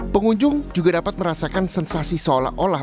pengunjung juga dapat merasakan sensasi seolah olah